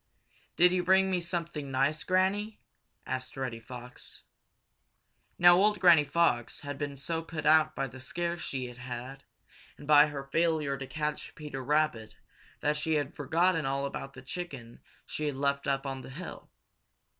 "Did you bring me something nice, Granny?" asked Reddy Fox. Now old Granny Fox had been so put out by the scare she had had and by her failure to catch Peter Rabbit that she had forgotten all about the chicken she had left up on the hill.